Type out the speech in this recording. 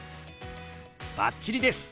バッチリです！